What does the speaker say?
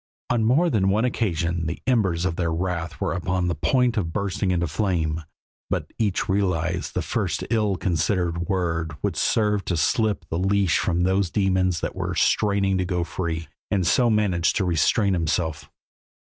On more than one occasion the embers of their wrath were upon the point of bursting into flame, but each realized that the first ill considered word would serve to slip the leash from those demons that were straining to go free, and so managed to restrain himself.